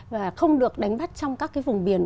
và không được đánh bắt trong các cái vùng biển